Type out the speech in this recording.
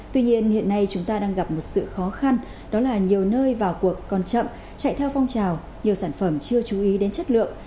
tuy nhiên hiện nay chúng ta đang gặp một sự khó khăn đó là nhiều nơi vào cuộc còn chậm chạy theo phong trào nhiều sản phẩm chưa chú ý đến chất lượng